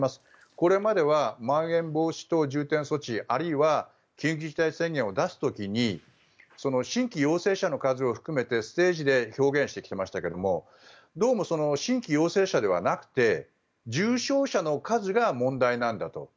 これまではまん延防止等重点措置あるいは緊急事態宣言を出す時に新規陽性者の数を含めてステージで表現してきてましたけどどうも新規陽性者ではなくて重症者の数が問題なんだと。